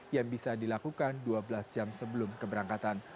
yang bisa dilakukan dua belas jam sebelum keberangkatan